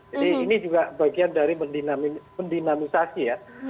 jadi ini juga bagian dari mendinamisasi ya